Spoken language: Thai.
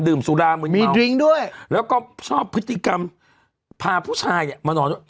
ดื่มสุรามืนเมามีดริ้งด้วยแล้วก็ชอบพฤติกรรมพาผู้ชายเนี่ยมานอน